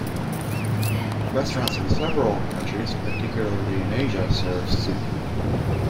Restaurants in several countries, particularly in Asia, serve soup.